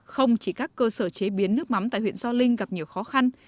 không chỉ các cơ sở chế biến nước mắm tại huyện gio linh gặp nhiều khó khăn